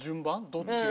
どっちが。